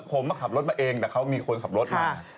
ผมขับรถมาเองแต่เขามีคนขับรถมา